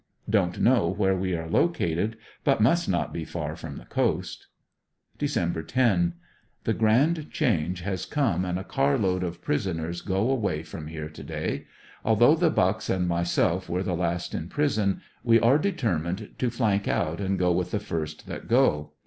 Don't know where we r.re located, but must be not far from the coast. Dec. 10. — The grand change has come and a car load of prison ers go away from here to day. Although the Bucks and myself were the last in prison, we are determined to flank out and go with the first that go.